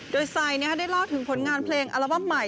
โดยไซดได้เล่าถึงผลงานเพลงอัลบั้มใหม่